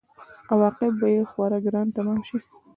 عواقب به یې خورا ګران تمام شي.